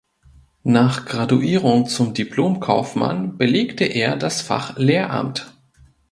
Nach Graduierung zum Diplomkaufmann belegte er das Fach Lehramt.